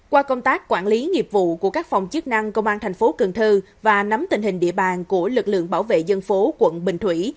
qua công tác quản lý nghiệp vụ của các phòng chức năng công an thành phố cần thơ và nắm tình hình địa bàn của lực lượng bảo vệ dân phố quận bình thủy